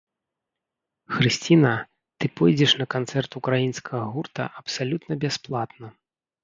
Хрысціна, ты пойдзеш на канцэрт украінскага гурта абсалютна бясплатна.